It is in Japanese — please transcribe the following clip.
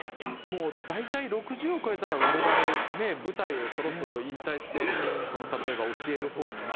もう大体６０を超えたら我々ね舞台をそろそろ引退して例えば教える方に回るとかね